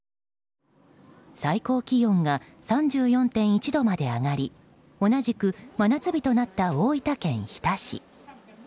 最高気温が３４．１度まで上がり同じく真夏日となった大分県日田市。